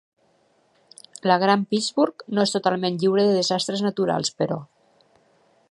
La gran Pittsburgh no és totalment lliure de desastres naturals, però.